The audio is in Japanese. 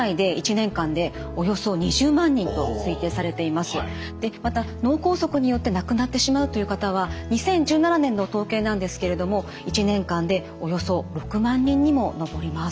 また脳梗塞によって亡くなってしまうという方は２０１７年の統計なんですけれども１年間でおよそ６万人にも上ります。